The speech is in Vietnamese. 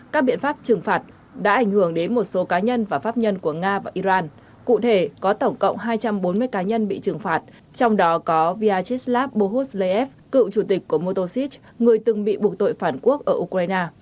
các biện pháp trừng phạt đã ảnh hưởng đến một số cá nhân và pháp nhân của nga và iran cụ thể có tổng cộng hai trăm bốn mươi cá nhân bị trừng phạt trong đó có vyachislav bohoodleev cựu chủ tịch của motosis người từng bị buộc tội phản quốc ở ukraine